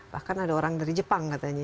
bahkan ada orang dari jepang katanya